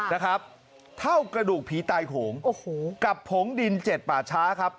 นะครับเท่ากระดูกผีตายโหงโอ้โหกับผงดินเจ็ดป่าช้าครับ